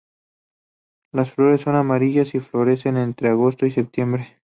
Las flores son amarillas y florecen entre agosto y septiembre.